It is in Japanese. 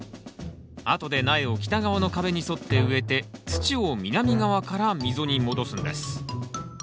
あとで苗を北側の壁に沿って植えて土を南側から溝に戻すんです